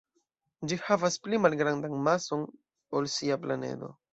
Ĝi havas pli malgrandan mason ol sia planedo.